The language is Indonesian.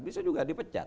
bisa juga dipecat